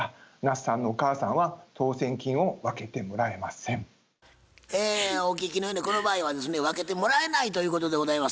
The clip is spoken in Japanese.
その意味でお聞きのようにこの場合はですね分けてもらえないということでございます。